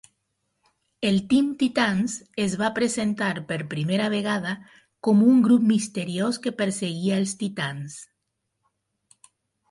El Team Titans es va presentar per primera vegada com un grup misteriós que perseguia els titans.